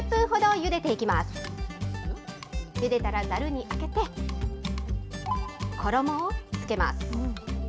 ゆでたらざるにあけて、衣をつけます。